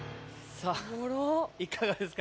さあいかがですか？